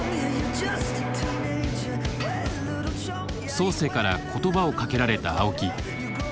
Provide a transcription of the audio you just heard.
ソーセから言葉をかけられた青木。